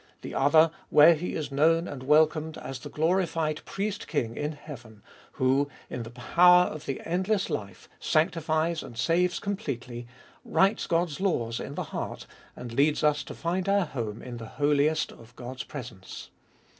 The other, where He is known and welcomed as the glorified Priest King in heaven, who, in the power of the endless life, sanctifies and saves completely, writes God's laws in the heart, and leads us to find our home in the holiest of God's pre sence.